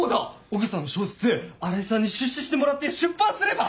オグさんの小説荒井さんに出資してもらって出版すれば？